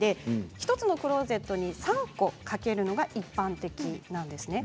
１つのクローゼットに３個掛けるのが一般的なんです。